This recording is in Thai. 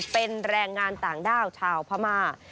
เป็นแรงงานต่างด้าวชาวพม่า